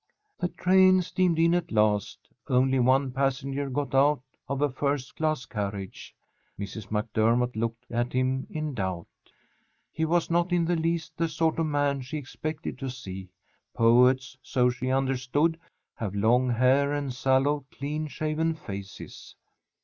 The train steamed in at last. Only one passenger got out of a first class carriage. Mrs. MacDermott looked at him in doubt. He was not in the least the sort of man she expected to see. Poets, so she understood, have long hair and sallow, clean shaven faces.